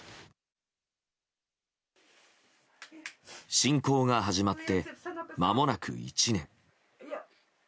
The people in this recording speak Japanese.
侵攻が始まって、まもなく１年。